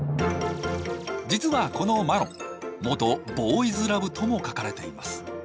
実はこのマロン「元ボーイズラブ」とも書かれています。